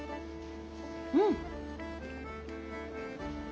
うん！